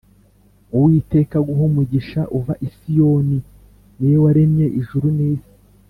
uwiteka aguhe umugisha uva isiyoni, niwe waremye ijuru n’isi